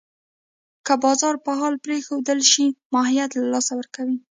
که بازار په حال پرېښودل شي، ماهیت له لاسه ورکوي.